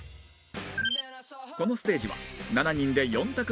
このステージは７人で４択